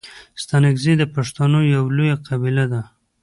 ستانگزي د پښتنو یو لويه قبیله ده.